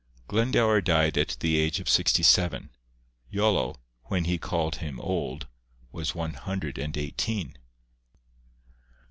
Glendower died at the age of sixty seven: Iolo, when he called him old, was one hundred and eighteen.